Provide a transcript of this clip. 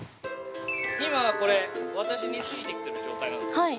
◆今、これは私ついてきてる状態なんですけど。